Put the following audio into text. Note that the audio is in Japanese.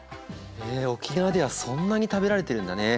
へえ沖縄ではそんなに食べられてるんだね。